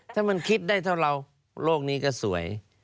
ถ้ามันคิดได้เท่าเราโลกนี้ก็สวย